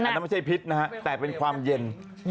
แต่มันไม่ใช่พิษแต่เป็นความเย็น